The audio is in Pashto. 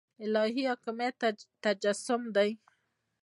د الهي حاکمیت تجسم دی.